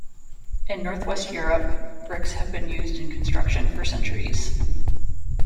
In Northwest Europe, bricks have been used in construction for centuries.